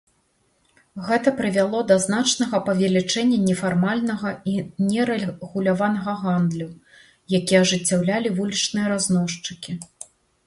Гэта прывяло да значнага павелічэння нефармальнага і нерэгуляванага гандлю, які ажыццяўлялі вулічныя разносчыкі.